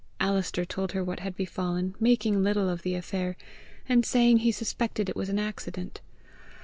Alister told her what had befallen, making little of the affair, and saying he suspected it was an accident.